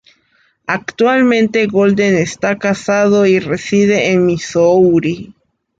Actualmente Golden está casado y reside en Missouri.